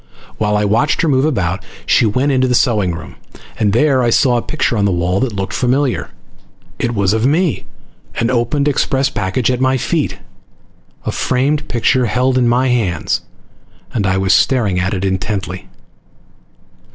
While I watched her move about, she went into the sewing room, and there I saw a picture on the wall that looked familiar. It was of me, an opened express package at my feet, a framed picture held in my hands, and I was staring at it intently.